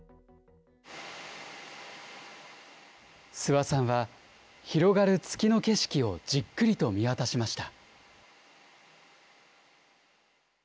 諏訪さんは広がる月の景色をじっくりと見渡しました。